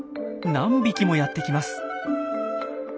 何匹もやってきます。